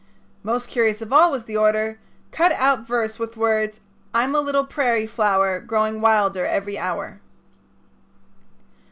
Most curious of all was the order: "Cut out verse with words: 'I'm a little prairie flower growing wilder every hour.'"